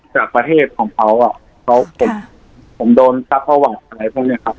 จากประเทศของเขาอ่ะเขาผมโดนซักประวัติอะไรพวกนี้ครับ